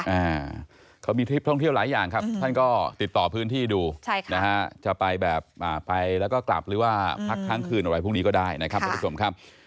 แฟนมีทริปท่องเที่ยวหลายอย่างครับครับ